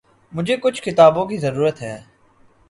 مجھے کچھ کتابوں کی ضرورت ہے۔